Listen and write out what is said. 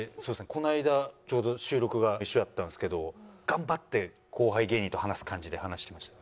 この間ちょうど収録が一緒やったんですけど頑張って後輩芸人と話す感じで話してました。